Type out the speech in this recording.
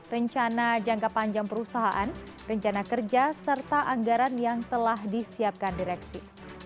rencana jangka panjang perusahaan rencana kerja serta anggaran yang telah disiapkan direksi